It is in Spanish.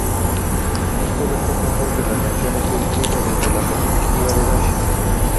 Es correcto pensar que la canción está escrita desde la perspectiva de Daisy".